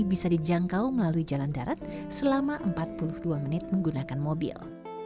bisa dijangkau melalui jalan darat selama empat puluh dua menit menggunakan mobil